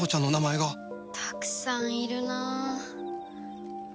たくさんいるな。